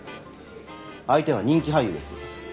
相手は人気俳優です。